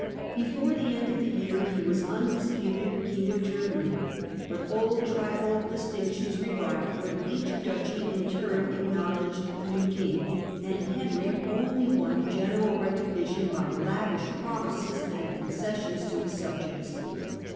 Before the end of the year he was undisputed king of Germany. But old tribal distinctions revived when each duchy in turn acknowledged the new king, and Henry only won general recognition by lavish promises and con cessions to his subjects.